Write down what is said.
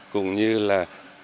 cùng như là